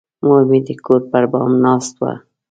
مور مې د کور پر بام ناسته وه.